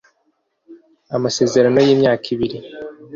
Amasezerano yimyaka ibiri